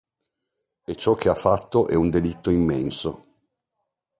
E ciò che ha fatto è un delitto immenso.